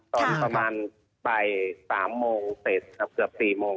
ประมาณใบ๓โมงเตรียมกับเกือบ๔โมง